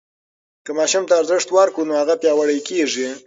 که ماشوم ته ارزښت ورکړو نو هغه پیاوړی کېږي.